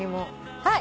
はい。